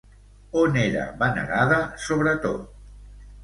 On era venerada sobretot?